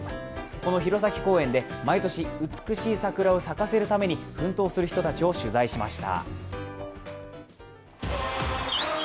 この弘前公園で毎年美しい桜を咲かせるために奮闘する人たちを取材しました。